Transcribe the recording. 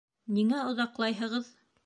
— Ниңә оҙаҡлайһығыҙ?